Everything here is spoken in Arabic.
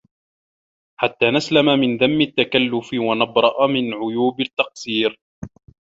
حَتَّى نَسْلَمَ مِنْ ذَمِّ التَّكَلُّفِ وَنَبْرَأَ مِنْ عُيُوبِ التَّقْصِيرِ